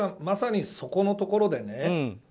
まさにそこのところでね。